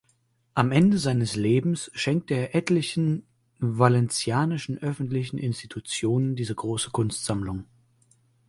Am Ende seines Lebens schenkte er etlichen valencianischen öffentlichen Institutionen diese große Kunstsammlung.